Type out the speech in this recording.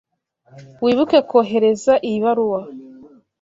Wibuke kohereza iyi baruwa.